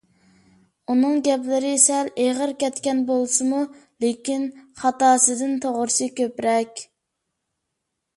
ئۇنىڭ گەپلىرى سەل ئېغىر كەتكەن بولسىمۇ، لېكىن خاتاسىدىن توغرىسى كۆپرەك.